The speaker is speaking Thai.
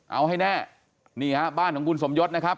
เอาให้แน่นี่ฮะบ้านของคุณสมยศนะครับ